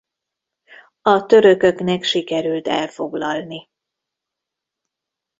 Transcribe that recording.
A törököknek sikerült elfoglalni.